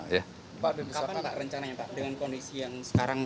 kapan rencananya pak dengan kondisi yang sekarang